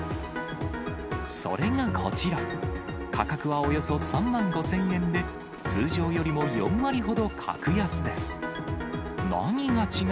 それがこちら、価格はおよそ３万５０００円で、通常よりも４割ほど格安です。